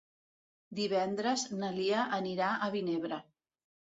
Divendres na Lia anirà a Vinebre.